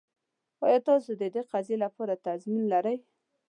ایا تاسو د دې قضیې لپاره تضمین لرئ؟